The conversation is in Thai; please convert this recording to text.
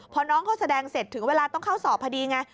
พอน้องเขาแสดงเสร็จถึงเวลาต้องเข้าสอบพอดีไง